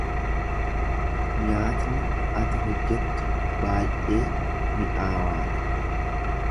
Nyaatni ati hojjettu baay'ee mi’aawaadha.